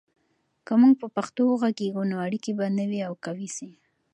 که موږ په پښتو وغږیږو، نو اړیکې به نوي او قوي سي.